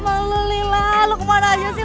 malu lila lu kemana aja sih